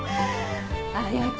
綾子